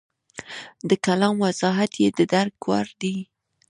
د کلام وضاحت یې د درک وړ دی.